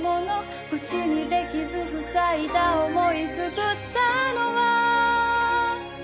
「口にできず塞いだ思い救ったのは」